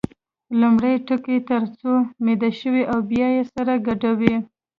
لومړی یې ټکوي تر څو میده شي او بیا یې سره ګډوي.